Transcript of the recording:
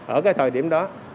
ở thời điểm đó